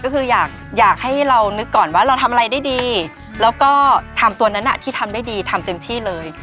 ก็คืออยากให้เรานึกก่อนว่าเราทำอะไรได้ดีแล้วก็ทำตัวนั้นที่ทำได้ดีทำเต็มที่เลย